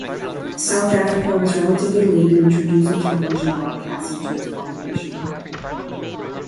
South Africa was relatively late in introducing television broadcasting to its population.